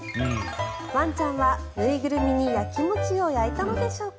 ワンちゃんは縫いぐるみにやきもちをやいたんでしょうか。